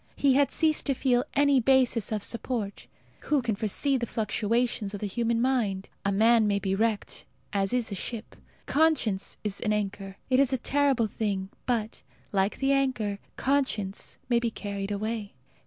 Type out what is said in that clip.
He had ceased to feel any basis of support. Who can foresee the fluctuations of the human mind! A man may be wrecked, as is a ship. Conscience is an anchor. It is a terrible thing, but, like the anchor, conscience may be carried away.